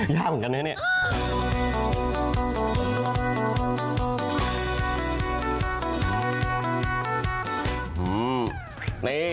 ยากเหมือนกันนะเนี่ย